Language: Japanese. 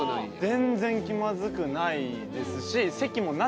全然気まずくないですし。